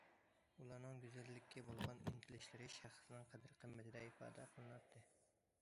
ئۇلارنىڭ گۈزەللىككە بولغان ئىنتىلىشلىرى شەخسنىڭ قەدىر- قىممىتىدە ئىپادە قىلىناتتى.